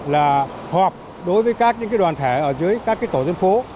là họp đối với các những đoàn thể ở dưới các tổ dân phố